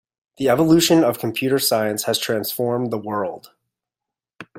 The evolution of computer science has transformed the world.